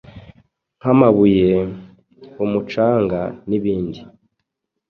nkamabuye, umucanga n’ibindi.